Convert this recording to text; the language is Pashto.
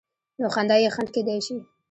نو خندا یې خنډ کېدای شي.